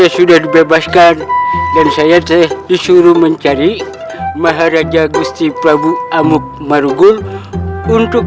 sudah dibebaskan dan saya disuruh mencari maharaja gusti prabowo amukmarunggul untuk